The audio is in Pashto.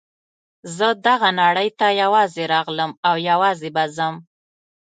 زه دغه نړۍ ته یوازې راغلم او یوازې به ځم.